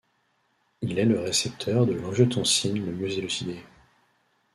Il est le récepteur de l'angiotensine le mieux élucidé.